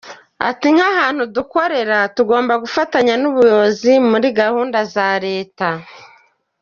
Ati “Nk’ahantu dukorera tugomba gufatanya n’ubuyobozi muri gahunda za Leta.